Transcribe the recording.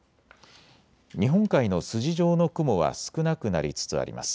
日本海の筋状の雲は少なくなりつつあります。